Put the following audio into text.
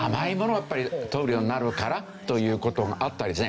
やっぱり取るようになるからという事があったりですね。